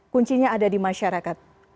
kuncinya ada di masyarakat